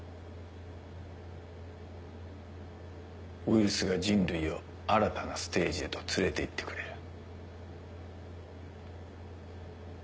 ウイルスが人類を新たなステージへと連れて行ってくれる。